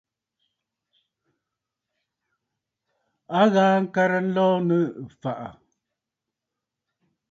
A ghaa ŋkarə nlɔɔ nɨ̂ ɨ̀fàʼà.